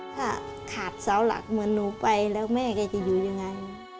ถ้าขาดเสาหลักเหมือนหนูไปแล้วแม่แกจะอยู่ยังไง